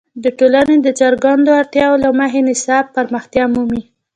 د ټولنې د څرګندو اړتیاوو له مخې نصاب پراختیا مومي.